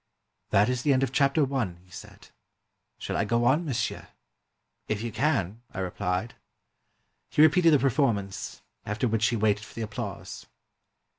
"That is the end of chapter i," he said. "Shall I go on, monsieur?" "If you can," I rephed. He repeated the performance; after which he waited for the applause.